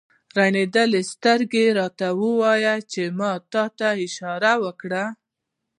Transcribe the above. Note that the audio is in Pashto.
رینالډي سترګه راته ووهله چې ما ته یې اشاره وکړه.